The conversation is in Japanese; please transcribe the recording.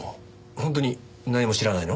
本当に何も知らないの？